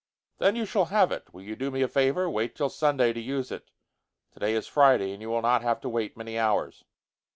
"Then you shall have it. Will you do me a favor? Wait till Sunday to use it. Today is Friday, and you will not have to wait many hours."